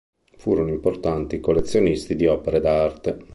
Furono importanti collezionisti di opere d'arte.